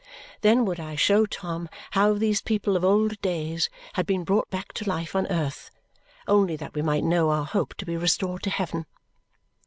Then would I show Tom how these people of old days had been brought back to life on earth, only that we might know our hope to be restored to heaven!